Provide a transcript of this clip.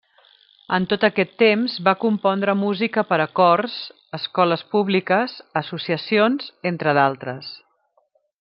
En tot aquest temps, va compondre música per a cors, escoles públiques, associacions, entre d'altres.